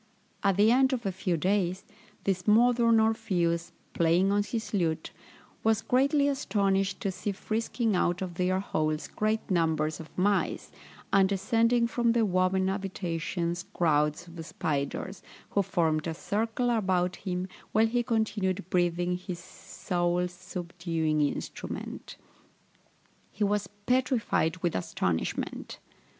At the end of a few days, this modern Orpheus, playing on his lute, was greatly astonished to see frisking out of their holes great numbers of mice, and descending from their woven habitations crowds of spiders, who formed a circle about him, while he continued breathing his soul subduing instrument. He was petrified with astonishment.